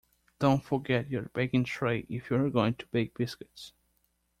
Don't forget your baking tray if you're going to bake biscuits